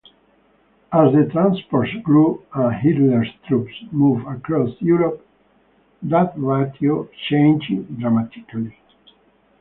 As the transports grew and Hitler's troops moved across Europe, that ratio changed dramatically.